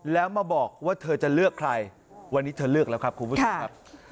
แล้วมาบอกว่าเธอจะเลือกใครวันนี้เธอเลือกแล้วครับคุณผู้ชมครับ